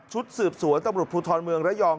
ชุดสืบสวนตำรวจภูทรเมืองระยอง